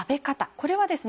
これはですね